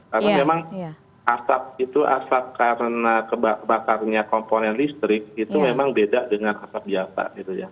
karena memang asap itu asap karena kebakarnya komponen listrik itu memang beda dengan asap jatah gitu ya